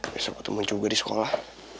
biasa ketemu juga di sekolah